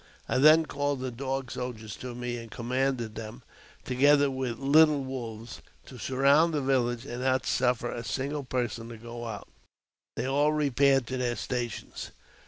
I then called the Dog Soldiers to me, and commanded them, together with the Little Wolves, to surround the village, and not suffer a single person to go out. They all repaired to their stations.